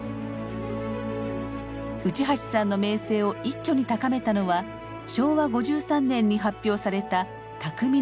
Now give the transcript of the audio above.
内橋さんの名声を一挙に高めたのは昭和５３年に発表された「匠の時代」でした。